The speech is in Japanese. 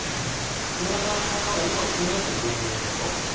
木村さんなんか今気になってる芸人がいるんですか？